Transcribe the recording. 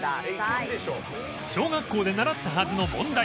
小学校で習ったはずの問題